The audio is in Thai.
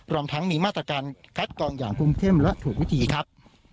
รวมทั้งมีมาตรการคัดกองอย่างคุ้มเข้มและถูกวิธีครับ